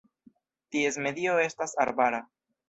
Ties medio estas arbara.